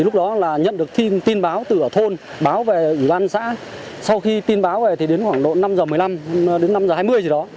lúc đó là nhận được tin tin báo từ ở thôn báo về ủy ban xã sau khi tin báo về thì đến khoảng độ năm h một mươi năm đến năm h hai mươi gì đó